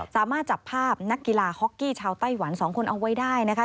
สามารถจับภาพนักกีฬาฮอกกี้ชาวไต้หวัน๒คนเอาไว้ได้นะคะ